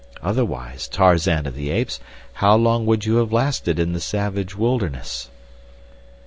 Otherwise, Tarzan of the Apes, how long would you have lasted in the savage wilderness?"